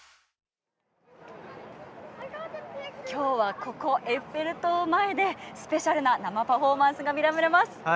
今日はここエッフェル塔の前でスペシャルな生パフォーマンスが見れます。